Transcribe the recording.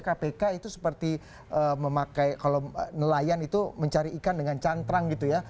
kpk itu seperti memakai kalau nelayan itu mencari ikan dengan cantrang gitu ya